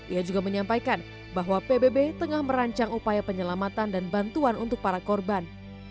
ia juga menyampaikan bahwa pbb tengah merancang upaya penyelamatan dan bantuan untuk para korban